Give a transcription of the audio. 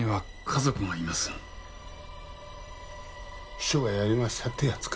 「秘書がやりました」ってやつか。